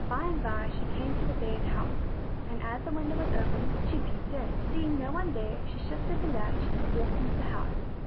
By and by she came to the bears' house, and as the window was open, she peeped in. Seeing no one there she lifted the latch and walked into the house.